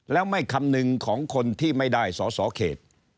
แล้วไม่คำนึงของคนที่ไม่ได้สอสอเขต